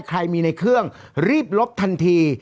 ใครมีในเครื่องรีบลบทันที